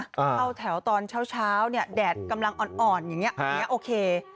เข้าแถวตอนเช้าแดดกำลังอ่อนอย่างนี้อย่างนี้โอเค